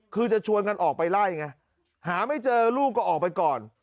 คือจะชวนกันออกไปไล่ไงหาไม่เจอลูกก็ออกไปก่อน